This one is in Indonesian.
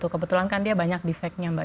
kebetulan kan dia banyak defeknya mbak